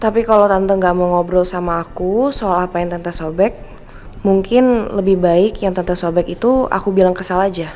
tapi kalau tante gak mau ngobrol sama aku soal apa yang tante sobek mungkin lebih baik yang tante sobek itu aku bilang kesal aja